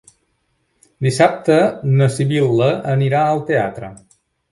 Dissabte na Sibil·la anirà al teatre.